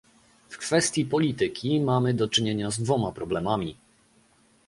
W kwestii polityki mamy do czynienia z dwoma problemami